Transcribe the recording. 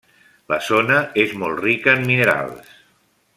La zona és molt rica en minerals.